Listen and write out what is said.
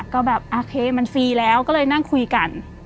ก็แบบโอเคมันฟรีแล้วก็เลยนั่งคุยกัน